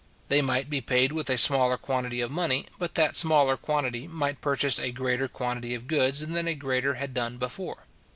They might be paid with a smaller quantity of money, but that smaller quantity might purchase a greater quantity of goods than a greater had done before.